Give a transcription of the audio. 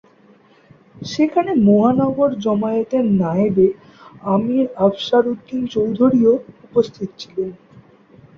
সেখানে মহানগর জামায়াতের নায়েবে আমীর আফসার উদ্দিন চৌধুরী ও উপস্থিত ছিলেন।